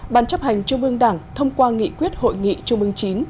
ban chấp hành trung ương đảng thông qua nghị quyết hội nghị trung ương chín